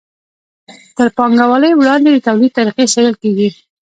تر پانګوالۍ وړاندې د توليد طریقې څیړل کیږي.